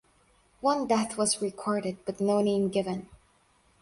One death was recorded but no name given.